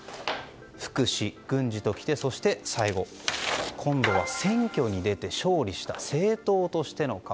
福祉、軍事ときて、そして最後は今度は選挙に出て勝利した政党としての顔。